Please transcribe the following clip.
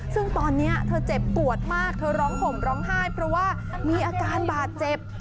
ซึ่งตอนนี้เธอเจ็บปวดมากเธอร้องห่มร้องไห้เพราะว่ามีอาการบาดเจ็บ